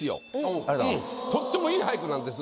とっても良い俳句なんです。